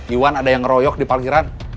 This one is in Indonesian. iwan ada yang ngeroyok di parkiran